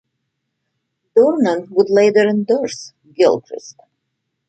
Dornan would later endorse Gilchrist.